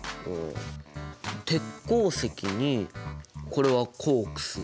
鉄鉱石にこれはコークス。